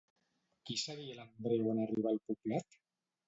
Qui seguia l'Andreu en arribar al poblat?